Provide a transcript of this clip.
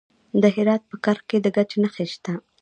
د هرات په کرخ کې د ګچ نښې شته.